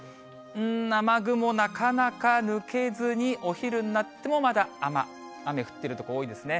雨雲、なかなか抜けずに、お昼になってもまだ雨降ってるところ多いですね。